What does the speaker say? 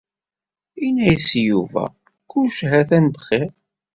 Ini-as i Yuba kullec ha-t-an bxir.